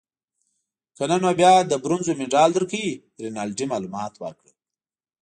که نه نو بیا د برونزو مډال درکوي. رینالډي معلومات ورکړل.